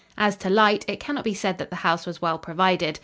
As to light, it cannot be said that the house was well provided.